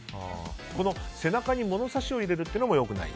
この背中に物差しを入れるというのも良くない。